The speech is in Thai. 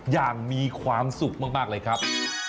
อย่างมีความสุขมากเลยครับ